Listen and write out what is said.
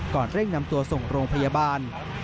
เร่งนำตัวส่งโรงพยาบาล